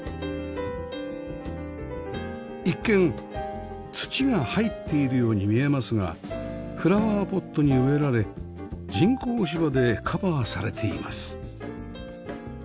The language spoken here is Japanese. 一見土が入っているように見えますがフラワーポットに植えられ人工芝でカバーされています